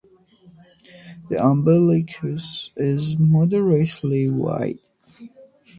The umbilicus is moderately wide.